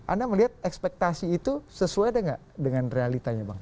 anda melihat ekspektasi itu sesuai dengan realitanya